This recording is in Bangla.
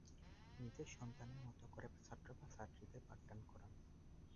নিজেদের সন্তানের মতো করে ছাত্র/ছাত্রীদের পাঠদান করান।